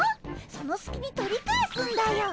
そのすきに取り返すんだよ！